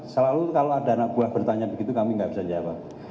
selalu kalau ada anak buah bertanya begitu kami nggak bisa jawab